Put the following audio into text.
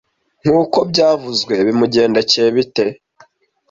Nkuko byavuzwe, bimugendekeye bite?